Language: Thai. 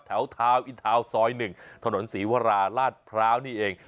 ทาวน์อินทาวน์ซอย๑ถนนศรีวราลาดพร้าวนี่เอง